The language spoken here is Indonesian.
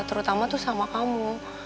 terutama tuh sama kamu